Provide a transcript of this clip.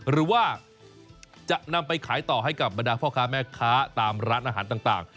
หรือว่าจะนำไปขายต่อให้กับบรรดาพ่อค้าแม่ค้าตามร้านอาหารต่าง